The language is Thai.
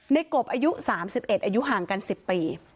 กบอายุ๓๑อายุห่างกัน๑๐ปี